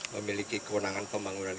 memiliki kewenangan pembangunan